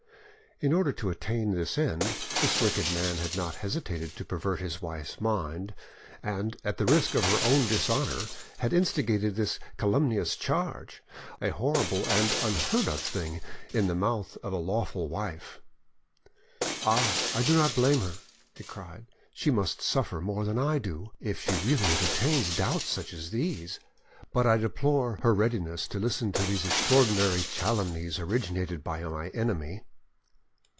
In order to attain his end, this wicked man had not hesitated to pervert his wife's mind, and at the risk of her own dishonour had instigated this calumnious charge—a horrible and unheard of thing in the mouth of a lawful wife. "Ah! I do not blame her," he cried; "she must suffer more than I do, if she really entertains doubts such as these; but I deplore her readiness to listen to these extraordinary calumnies originated by my enemy."